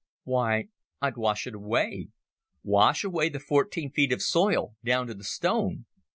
"Why, I'd wash it away. Wash away the fourteen feet of soil down to the stone.